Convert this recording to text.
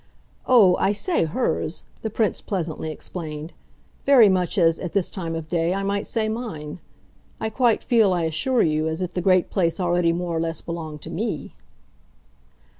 "Oh, I say hers," the Prince pleasantly explained, "very much as, at this time of day, I might say mine. I quite feel, I assure you, as if the great place already more or less belonged to ME."